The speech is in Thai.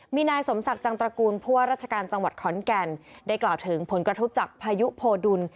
มีนายสมศักดิ์จังตระกูลผู้ว่าราชการจังหวัดขอนแก่นได้กล่าวถึงผลกระทบจากพายุโพดุล